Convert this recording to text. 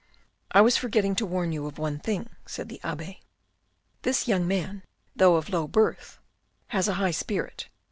I was forgetting to warn you of one thing," said the abbe. " This young man, though of low birth, has a high spirit.